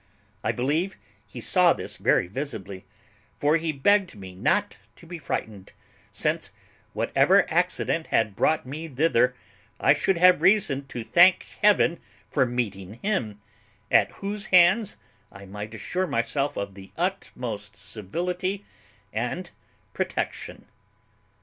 I believe he saw this very visibly; for he begged me not to be frightened, since, whatever accident had brought me thither, I should have reason to thank heaven for meeting him, at whose hands I might assure myself of the utmost civility and protection.